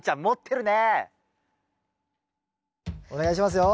お願いしますよ。